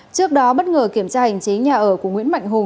trước đó bất ngờ kiểm tra hành chính nhà ở của nguyễn mạnh hùng